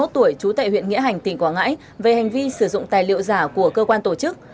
ba mươi tuổi trú tại huyện nghĩa hành tỉnh quảng ngãi về hành vi sử dụng tài liệu giả của cơ quan tổ chức